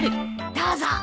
どうぞ。